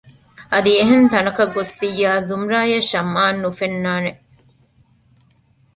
އަދި އެހެން ތަނަކަށް ގޮސްފިއްޔާ ޒުމްރާއަށް ޝަމްއާން ނުފެންނާނެ